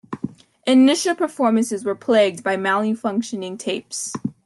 Initial performances were plagued by malfunctioning tapes.